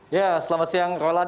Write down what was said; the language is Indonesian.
ya selamat siang roland